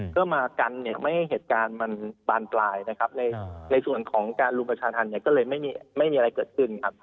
ก็มากันเนี่ยไม่ให้เหตุการณ์มันบานปลายนะครับในส่วนของการรุมประชาธรรมเนี่ยก็เลยไม่มีอะไรเกิดขึ้นครับ